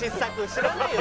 知らないよ